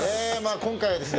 今回はですね